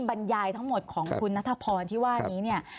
บรรยายทั้งหมดของคุณนัทพรที่ว่านี้เนี่ย